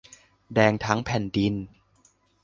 แดงทั้งแผ่นดิน